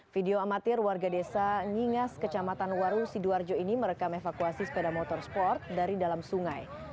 video amatir warga desa nyingas kecamatan waru sidoarjo ini merekam evakuasi sepeda motor sport dari dalam sungai